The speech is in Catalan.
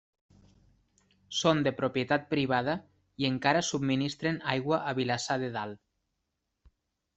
Són de propietat privada i encara subministren aigua a Vilassar de Dalt.